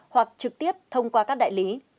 hoặc trực tiếp thông qua các đại lý